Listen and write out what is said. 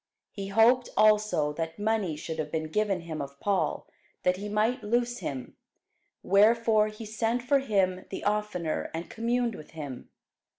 He hoped also that money should have been given him of Paul, that he might loose him: wherefore he sent for him the oftener, and communed with him.